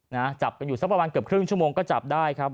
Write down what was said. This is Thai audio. นะจับกันอยู่สักประมาณเกือบครึ่งชั่วโมงก็จับได้ครับ